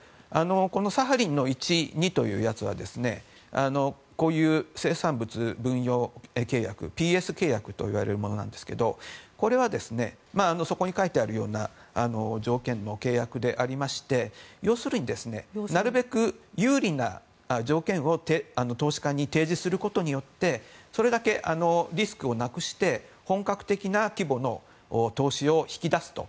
サハリンの１、２というものはこういう生産物分与契約ＰＳ契約といわれるものなんですがこれはそこに書いてあるような条件の契約でありまして要するに、なるべく有利な条件を投資家に提示することによってそれだけリスクをなくして本格的な規模の投資を引き出すと。